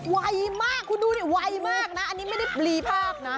ไวมากคุณดูดิไวมากนะอันนี้ไม่ได้ปลีภาคนะ